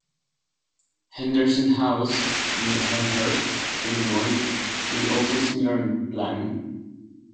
Henderson House in Elmhurst, Illinois is also similar in plan.